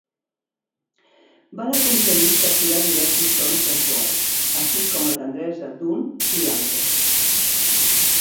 Van aconseguir capturar diversos sons sensuals, així com la tendresa d'un i l'altre.